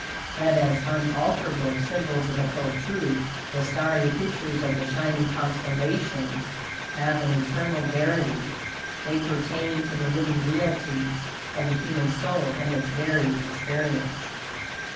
But as unalterable symbols of occult truth, the starry pictures of the shining constellations have an eternal verity. They pertain to the living realities of the human soul and its varied experience.